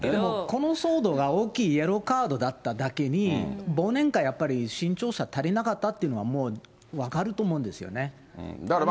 この騒動が大きいイエローカードだっただけに、忘年会、やっぱり慎重さ足りなかったというのは、もう分かると思うんですよね。